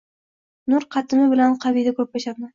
nur qatimi bilan qaviydi koʼrpachani.